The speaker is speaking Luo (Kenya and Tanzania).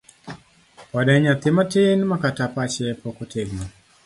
Pod en nyathi matin makata pache pok otegno.